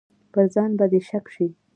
پر ځان به دې شک شي.